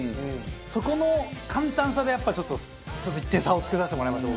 そこの簡単さでやっぱちょっとちょっと１点差をつけさせてもらいましょうか。